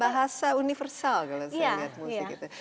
bahasa universal kalau saya lihat musik itu